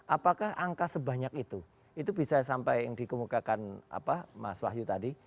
apakah angka sebanyak itu itu bisa sampai yang dikemukakan mas wahyu tadi